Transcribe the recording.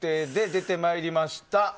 出てまいりました。